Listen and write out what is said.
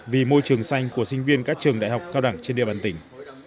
vì môi trường xanh của sinh viên các trường đại học cao đẳng trên địa bàn tỉnh